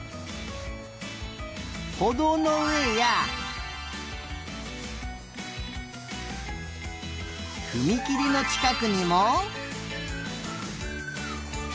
ほどうのうえやふみきりのちかくにも。